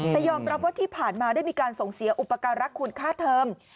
แต่ยอมรับว่าที่ผ่านมาได้มีการส่งเสียอุปการรักคุณค่าเทอม